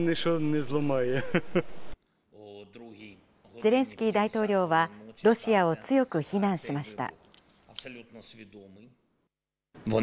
ゼレンスキー大統領は、ロシアを強く非難しました。